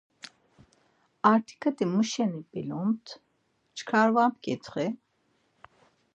Artikati muşeni p̌ilomt, çkar var mǩitxi.